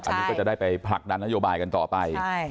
อันนี้ก็จะได้ไปผลักดันนโยบายกันต่อไป